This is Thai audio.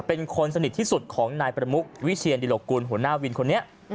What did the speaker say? เป็นคนสนิทที่สุดของนายประมุกวิเชียนดิหลกุลหัวหน้าวินคนนี้